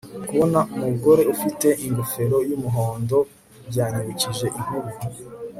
Kubona umugore ufite ingofero yumuhondo byanyibukije inkuru